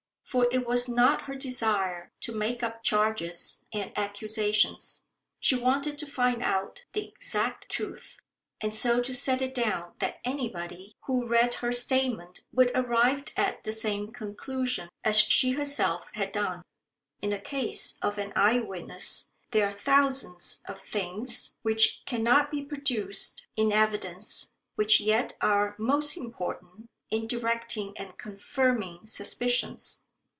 For it was not her desire to make up charges and accusations. She wanted to find out the exact truth, and so to set it down that anybody who read her statement would arrive at the same conclusion as she herself had done. In the case of an eye witness there are thousands of things which cannot be produced in evidence which yet are most important in directing and confirming suspicions.